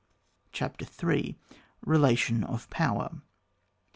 CHAPTER III. RELATION OF POWER.